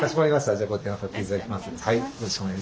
じゃあご提案をさせて頂きます。